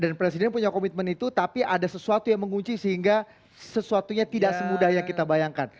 dan presiden punya komitmen itu tapi ada sesuatu yang mengunci sehingga sesuatunya tidak semudah yang kita bayangkan